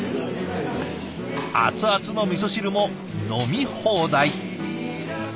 熱々のみそ汁も飲み放題。